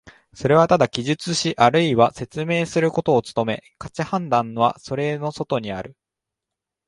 それはただ記述しあるいは説明することに努め、価値判断はそれの外にある。